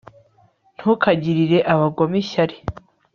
ntukagirire abagome ishyari